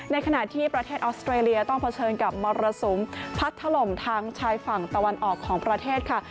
ในขณะที่ประเทศออสเตรเลียต้องเผชิญกับมรสุมพัดถล่มทางชายฝั่งตะวันออกของประเทศค่ะ